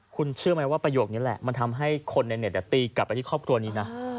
คุณเชื่อไหมว่าประโยคนี้แหละมันทำให้คนในเน็ตตีกลับไปที่ครอบครัวนี้นะ